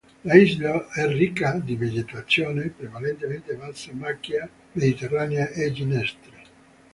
L'isola è ricca di vegetazione, prevalentemente bassa macchia mediterranea e ginestre.